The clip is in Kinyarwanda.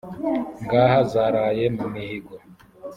ngaha zaraye mu mihigo.